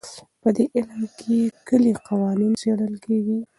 په دې علم کې کلي قوانین څېړل کېږي.